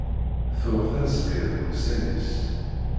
Tuɣ tasga deg ussan-is.